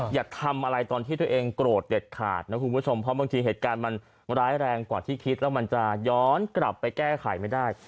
อย่าทำอะไรตอนที่ตัวเองโกรธเด็ดขาดนะคุณผู้ชมเพราะบางทีเหตุการณ์มันร้ายแรงกว่าที่คิดแล้วมันจะย้อนกลับไปแก้ไขไม่ได้